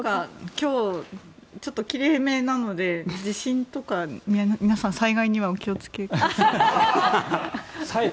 今日、ちょっときれいめなので地震とか皆さん災害にはお気を付けください。